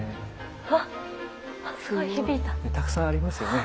たくさんありますよね